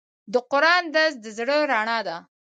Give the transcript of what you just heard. د قرآن درس د زړه رڼا ده.